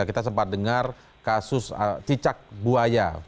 kita sempat dengar kasus cicak buaya